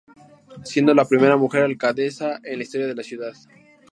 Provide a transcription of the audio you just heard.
Siendo la primera mujer alcaldesa en la historia de la ciudad.